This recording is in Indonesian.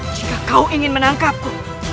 jika kau ingin menangkapku